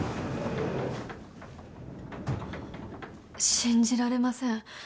信じられません。